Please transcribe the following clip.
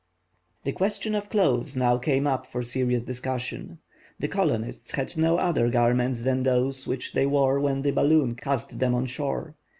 The question of clothes now came up for serious discussion. The colonists had no other garments than those which they wore when the balloon cast them on shore.